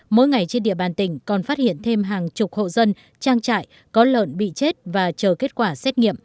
mỗi ngày trên địa bàn tỉnh còn phát hiện thêm hàng chục hộ dân trang trại có lợn bị chết và chờ kết quả xét nghiệm